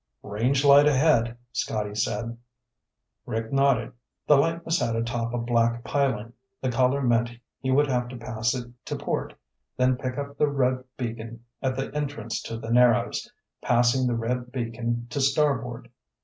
"Range light ahead," Scotty said. Rick nodded. The light was set atop a black piling. The color meant he would have to pass it to port, then pick up the red beacon at the entrance to the Narrows, passing the red beacon to starboard.